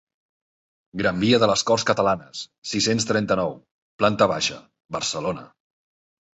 Gran Via de les Corts Catalanes, sis-cents trenta-nou, planta baixa, Barcelona.